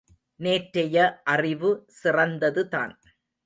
நேற்றைய அறிவு சிறந்ததுதான்.